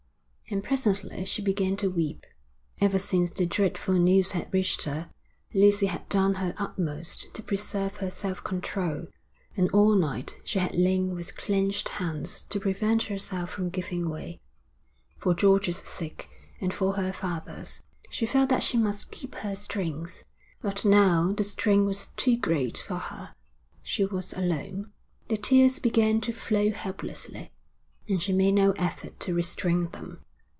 And presently she began to weep. Ever since the dreadful news had reached her, Lucy had done her utmost to preserve her self control, and all night she had lain with clenched hands to prevent herself from giving way. For George's sake and for her father's, she felt that she must keep her strength. But now the strain was too great for her; she was alone; the tears began to flow helplessly, and she made no effort to restrain them.